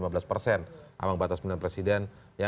berarti ini bebasung dengan